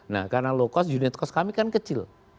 nah karena low cost unit cost kami kan kecil